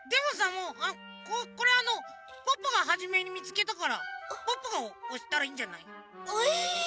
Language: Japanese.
もうこれあのポッポがはじめにみつけたからポッポがおしたらいいんじゃない？え？